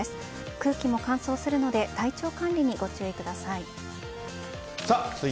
空気も乾燥するので体調管理にご注意ください。